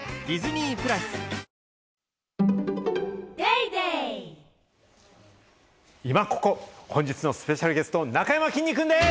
イマココ、本日のスペシャルゲスト、なかやまきんに君です！